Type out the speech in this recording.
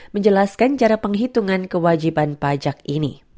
menjelaskan cara penghitungan kewajiban pajak ini